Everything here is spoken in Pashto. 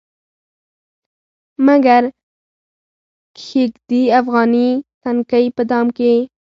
مګر کښيږدي افغاني نتکۍ په دام کې